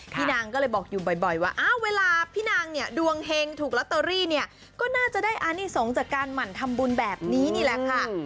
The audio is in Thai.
พี่นางก็เลยบอกอยู่บ่อยว่าเวลาพี่นางเนี่ยดวงเฮงถูกลอตเตอรี่เนี่ยก็น่าจะได้อานิสงฆ์จากการหมั่นทำบุญแบบนี้นี่แหละค่ะ